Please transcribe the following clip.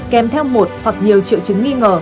kèm theo một hoặc nhiều triệu chứng nghi ngờ